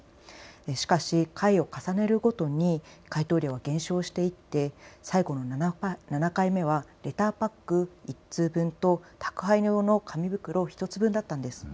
しかし回を重ねるごとに回答量は減少していって最後の７回目はレターパック１通分と宅配用の紙袋１つ分だったんです。